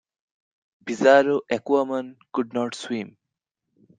Bizarro-Aquaman could not swim.